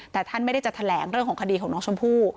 แต่ท่านไม่ได้จะแถลงเรื่องของคดีของน้องชมพู่